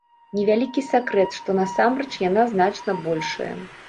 Невялікі сакрэт, што насамрэч яна значна большая.